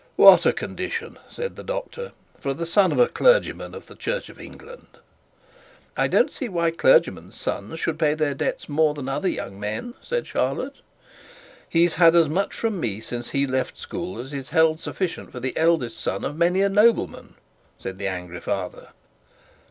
'What a condition,' said the doctor, 'for the son of a clergyman of the Church of England.' 'I don't see why clergymen's sons should pay their debts more than other young men,' said Charlotte. 'He's had as much from me since he left school as is held sufficient for the eldest son of many a nobleman,' said the angry father.